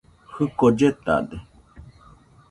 Jɨko lletade.